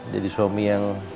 jadi suami yang